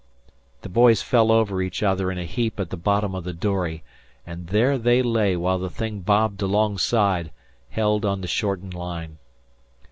The boys fell over each other in a heap at the bottom of the dory, and there they lay while the thing bobbed alongside, held on the shortened line.